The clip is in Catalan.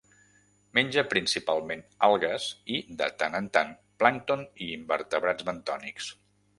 Menja principalment algues i, de tant en tant, plàncton i invertebrats bentònics.